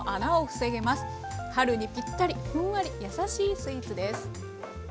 春にぴったりふんわり優しいスイーツです。